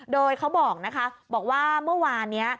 โดยเขาบอกนะคะบอกว่าเมื่อวานนี้